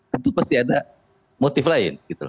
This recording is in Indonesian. tentu pasti ada motif lain